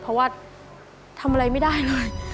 เพราะว่าทำอะไรไม่ได้เลย